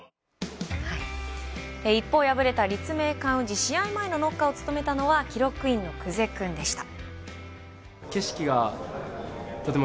一方、敗れた立命館宇治、試合前のノッカーを務めたのは記録員の久世君でした。